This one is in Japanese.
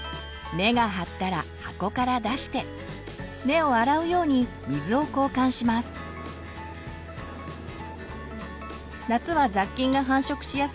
根が張ったら箱から出して根を洗うように水を交換します。